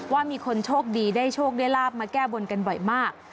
ว่ามีคนโชคดีได้โชคได้ลาบมาแก้บนกันบ่อยมาก